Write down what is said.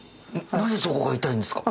なぜそこが痛いんですか？